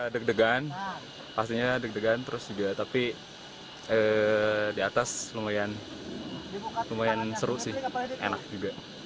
deg degan pastinya deg degan terus juga tapi di atas lumayan seru sih enak juga